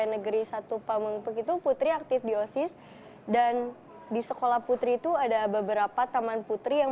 negeri satu pamengke itu putri aktif di osis dan di sekolah putri itu ada beberapa taman putri yang